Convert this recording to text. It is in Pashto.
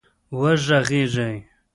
وږغېږئ